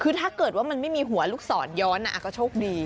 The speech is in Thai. คือถ้าเกิดว่ามันไม่มีหัวลูกศรย้อนก็โชคดี